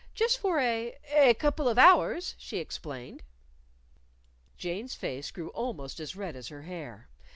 "Just for a a couple of hours," she explained. Jane's face grew almost as red as her hair.